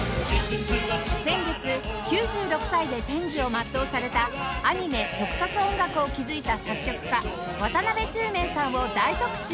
先月９６歳で天寿を全うされたアニメ・特撮音楽を築いた作曲家渡辺宙明さんを大特集！